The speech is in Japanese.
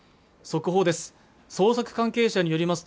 速報です